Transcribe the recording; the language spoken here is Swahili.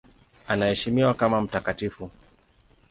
Anaheshimiwa kama mtakatifu.